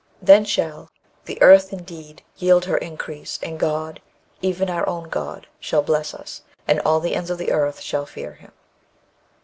Then shall the "earth indeed yield her increase, and God, even our own God, shall bless us; and all the ends of the earth shall fear Him."